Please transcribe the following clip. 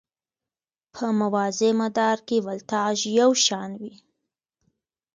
په موازي مدار کې ولتاژ یو شان وي.